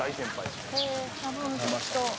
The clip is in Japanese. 多分きっと。